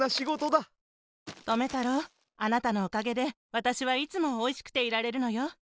とめたろうあなたのおかげでわたしはいつもおいしくていられるのよ。